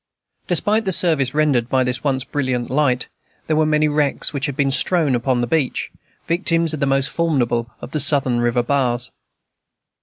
Despite the service rendered by this once brilliant light, there were many wrecks which had been strown upon the beach, victims of the most formidable of the Southern river bars.